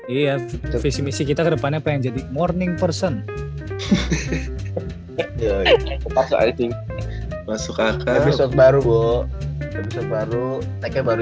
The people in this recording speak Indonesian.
iya visi misi kita kedepannya pengen jadi morning person masuk akar baru baru baru